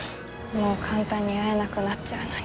もう簡単に会えなくなっちゃうのに。